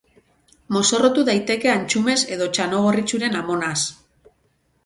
Mozorrotu daiteke antxumez edo txanogorritxuren amonaz.